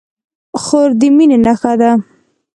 خور د مینې نښه ده.